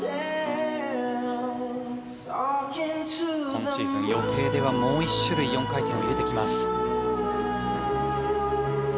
今シーズン予定ではもう１回４回転を入れてきます。